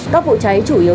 các vụ cháy chủ yếu